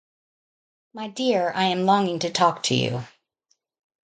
My dear, I am longing to talk to you.